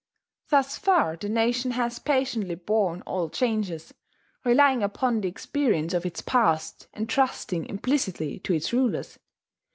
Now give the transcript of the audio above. Thus far the nation has patiently borne all changes. relying upon the experience of its past, and trusting implicitly to its rulers.